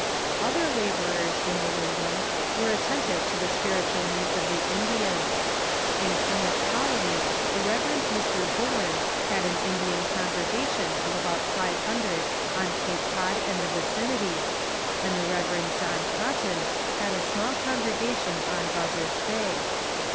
Other laborers in New England were attentive to the spirit ual needs of the Indians. In Plymouth Colony the Rev. Mr. Bourne had an Indian congregation of about five Other Indian ]jmj(^|,.e(| q,^ q^,^q Cqc] and the vicinity, and the Rev. Missionaries i '' John Cotton had a small congregation on Buzzard's Bay.